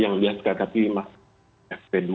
yang biasa katakan masker fb dua